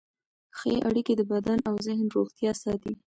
ښه اړیکې د بدن او ذهن روغتیا ساتي.